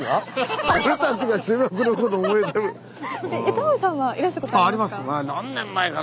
タモリさんはいらしたことありますか？